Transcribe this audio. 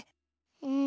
うん。